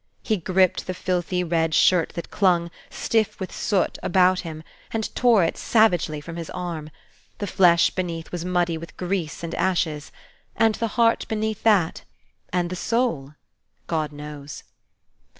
He griped the filthy red shirt that clung, stiff with soot, about him, and tore it savagely from his arm. The flesh beneath was muddy with grease and ashes, and the heart beneath that! And the soul? God knows.